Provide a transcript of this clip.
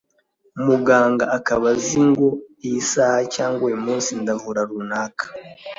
muganga akaba azi ngo iyi saha cyangwa uyu munsi ndavura runaka